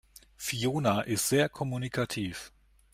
Fiona ist sehr kommunikativ.